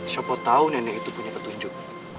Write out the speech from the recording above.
siapa tahu nenek itu punya petunjuk